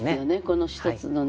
この一つのね。